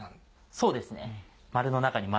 そうですね。